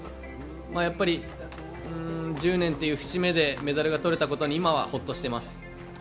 やっぱり１０年という節目でメダルがとれたことに今は、ほっとしています。